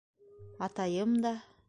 - Атайым да...